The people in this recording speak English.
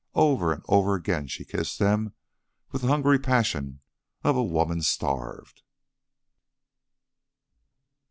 Over and over again she kissed them with the hungry passion of a woman starved.